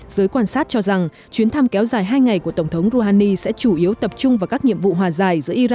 giới quan sát cho rằng chuyến thăm kéo dài hai ngày của tổng thống rouhani sẽ chủ yếu tập trung vào các nhiệm vụ hòa giải